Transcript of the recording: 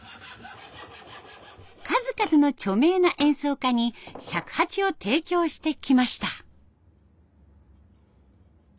数々の著名な演奏家に尺八を提供してきました。